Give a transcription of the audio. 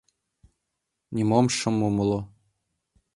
Нимом шым умыло.